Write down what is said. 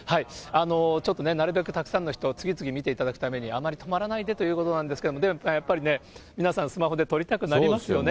ちょっとね、なるべくたくさんの人を次々見ていただくために、あまり止まらないでということなんですけれども、でもやっぱりね、皆さん、スマホで撮りたくなりますよね。